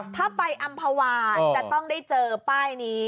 ถ้าไปอำภาวาจะต้องได้เจอป้ายนี้